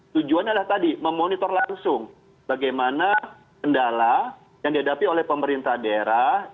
tujuannya adalah tadi memonitor langsung bagaimana kendala yang dihadapi oleh pemerintah daerah